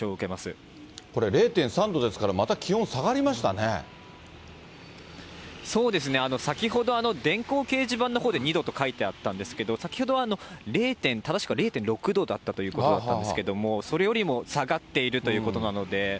これ、０．３度ですから、そうですね、先ほど、電光掲示板のほうで２度と書いてあったんですけど、先ほどは正しくは０．６度だったということなんですけれども、それよりも下がっているということなので。